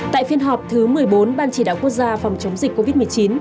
tại phiên họp thứ một mươi bốn ban chỉ đạo quốc gia phòng chống dịch covid một mươi chín